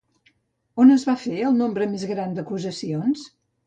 On es va fer el nombre més gran d'acusacions?